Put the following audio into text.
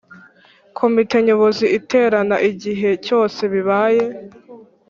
Komite Nyobozi iterana ighe cyose bibaye